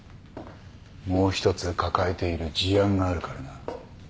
もう一つ抱えている事案があるからな。